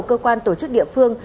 cơ quan tổ chức địa phương